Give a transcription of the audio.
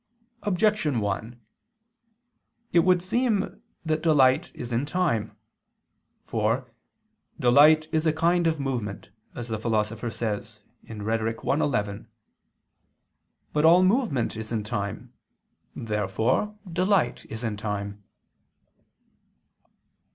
Objection 1: It would seem that delight is in time. For "delight is a kind of movement," as the Philosopher says (Rhet. i, 11). But all movement is in time. Therefore delight is in time.